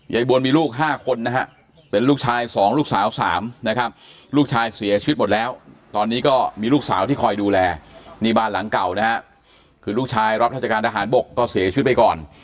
ยายบวนมีลูก๕คนนะฮะเป็นลูกชาย๒ลูกสาว๓นะครับลูกชายเสียชีวิตหมดแล้วตอนนี้ก็มีลูกสาวที่คอยดูแลนี่บ้านหลังเก่านะฮะคือลูกชายรับราชการทหารบกก็เสียชีวิตไปก่อน